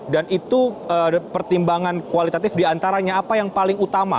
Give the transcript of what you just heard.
dan itu pertimbangan kualitatif di antaranya apa yang paling utama